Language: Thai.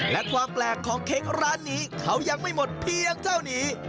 และความแปลกของเค้กร้านนี้เขายังไม่หมดเพียงเท่านี้